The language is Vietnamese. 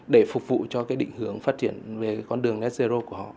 để phục vụ cho cái định hướng phát triển về con đường net zero của họ